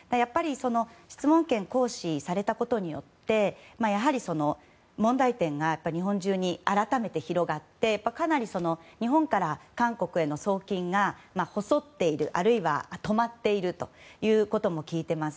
質問権行使されたことによってやはり、問題点が日本中に改めて広がってかなり日本から韓国への送金が細っているあるいは止まっているということも聞いています。